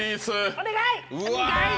お願い！